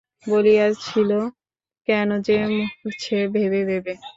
বলিয়াছিল, কেন যে মরছে ভেবে ভেবে!